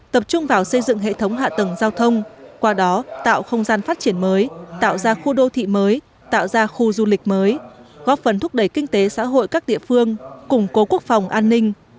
tập trung vào xây dựng hệ thống hạ tầng giao thông qua đó tạo không gian phát triển mới tạo ra khu đô thị mới tạo ra khu du lịch mới góp phần thúc đẩy kinh tế xã hội các địa phương củng cố quốc phòng an ninh